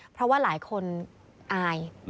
เพราะว่าหลายคนอาย